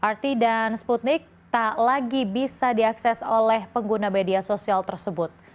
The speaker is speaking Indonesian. rt dan sputnik tak lagi bisa diakses oleh pengguna media sosial tersebut